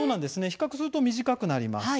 比較すると短くなります。